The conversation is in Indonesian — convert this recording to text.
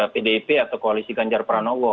pdip atau koalisi ganjar pranowo